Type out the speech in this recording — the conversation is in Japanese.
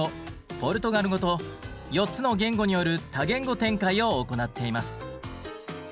ポルトガル語と４つの言語による多言語展開を行っています。